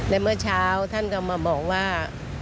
และเมื่อเช้าท่านก็มาบอกว่า